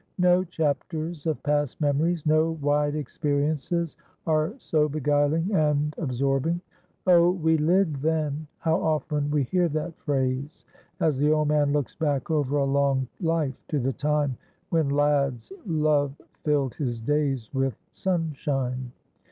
No chapters of past memories, no wide experiences are so beguiling and absorbing. "Oh, we lived then." How often we hear that phrase, as the old man looks back over a long life, to the time when lad's love filled his days with sunshine.